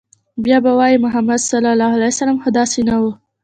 بيا به وايي، محمد ص خو داسې نه و